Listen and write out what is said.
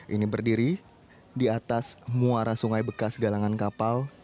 ini berdiri di atas muara sungai bekas galangan kapal